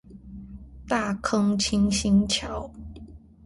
大坑清新橋